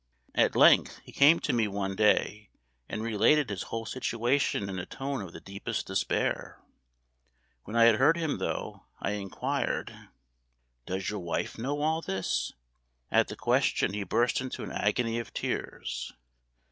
At length he came to me one day, and related his whole situation in a tone of the deepest despair. When I had heard him through, I inquired: "Does your wife know all this?" At the question he burst into an agony of tears.